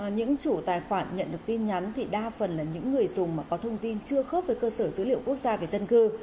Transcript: những chủ tài khoản nhận được tin nhắn thì đa phần là những người dùng có thông tin chưa khớp với cơ sở dữ liệu quốc gia về dân cư